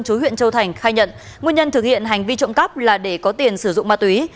chú huyện châu thành khai nhận nguyên nhân thực hiện hành vi trộm cắp là để có tiền sử dụng ma túy